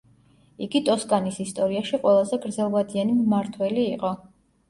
იგი ტოსკანის ისტორიაში ყველაზე გრძელვადიანი მმართველი იყო.